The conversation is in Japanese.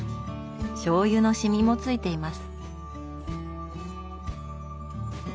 しょうゆのシミもついています。